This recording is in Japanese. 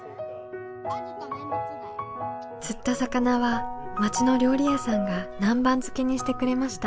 釣った魚は町の料理屋さんが南蛮漬けにしてくれました。